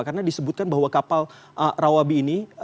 karena disebutkan bahwa kapal rawabi ini